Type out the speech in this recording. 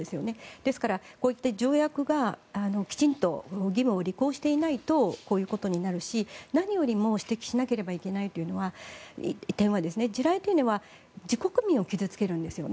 ですから、こういった条約がきちんと義務を履行していないとこういうことになるし、何よりも指摘しなければいけない点は地雷というのは自国民を傷付けるんですよね。